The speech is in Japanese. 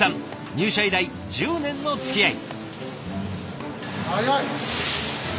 入社以来１０年のつきあい。